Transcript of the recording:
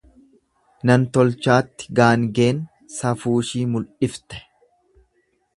Nan tolchaatti gaangeen safuushii muldhifte.